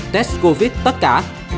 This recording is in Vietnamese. test covid tất cả